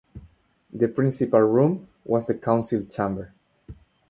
The principal room was the council chamber.